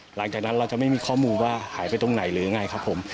หลังจากนั้นเราจะไม่มีความรู้ว่าหายไปตรงไหนหรือไงผม